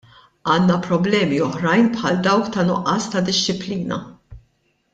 Għandna problemi oħrajn bħal dawk ta' nuqqas ta' dixxilpina.